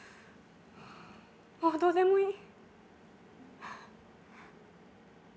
もうどうでもいい。